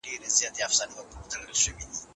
شاهدانو د ازادۍ سند په ډېرې خوښۍ سره تائید کړ.